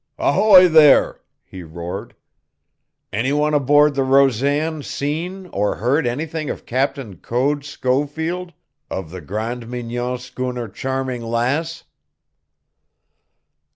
"Ahoy there!" he roared. "Any one aboard the Rosan seen or heard anything of Captain Code Schofield, of the Grande Mignon schooner _Charming Lass?